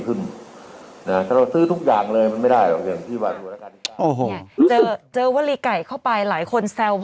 แต่ว่าความคิดนายก่ะ